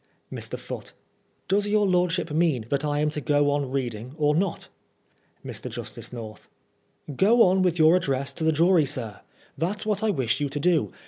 AT THE OLD BAILET. 73^ Mr. Foote : Does your lordship mean that I am to go on read ing or not ? Mr. Justice North : Go on with your address to the jury, sir ; that's what I wish you to do.